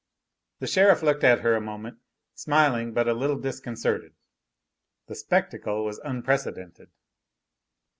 The sheriff looked at her a moment, smiling but a little disconcerted. The spectacle was unprecedented.